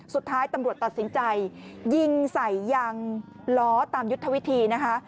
สุดท้ายตำรวจตัดสินใจยิงใส่ยางล้อตามยุทธวิธีนะคะ